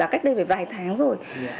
cách đây phải vài tháng rồi